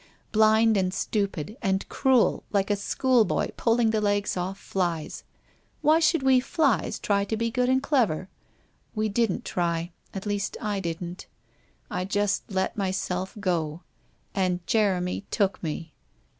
Blind and stupid, and cruel, like a schoolboy pulling the legs off flies. Why should we flies try to be good and clever? "We didn't try — at least, I didn't. I just let myself go — and Jeremy took me!